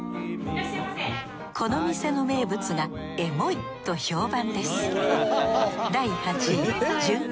この店の名物がエモいと評判です